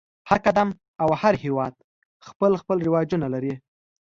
هر قوم او هر هېواد خپل خپل رواجونه لري.